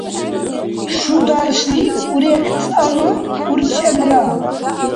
шударшлим урегцӀанну урчӀемра